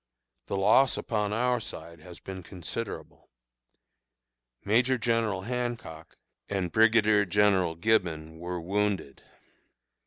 The loss upon our side has been considerable. Major General Hancock and Brigadier General Gibbon were wounded.